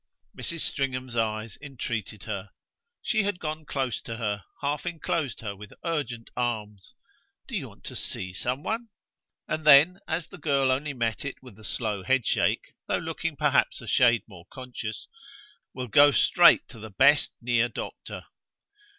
Mrs. Stringham's eyes entreated her; she had gone close to her, half enclosed her with urgent arms. "Do you want to see some one?" And then as the girl only met it with a slow headshake, though looking perhaps a shade more conscious: "We'll go straight to the best near doctor."